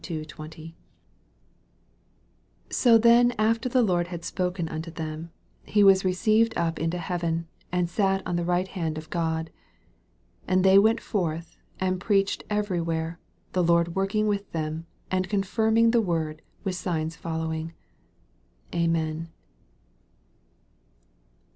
MAKE XVI. 1920. 19 So then after the Lord had spo ken unto them, he was received up into heaven, and sat on the right hand of God. 20 And they went forth, and preach ed every where, the Lord working with them, and confirming the word with signs following. Amen.